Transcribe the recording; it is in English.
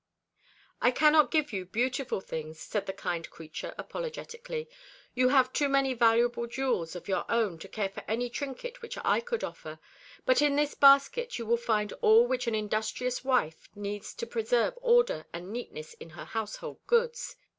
"I cannot give you beautiful things," said the kind creature apologetically. "You have too many valuable jewels of your own to care for any trinket which I could offer; but in this basket you will find all which an industrious wife needs to preserve order and neatness in her household goods.